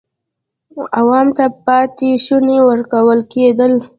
عوام ته پاتې شوني ورکول کېدل.